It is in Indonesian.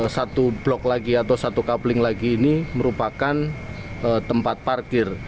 satu blok lagi atau satu coupling lagi ini merupakan tempat parkir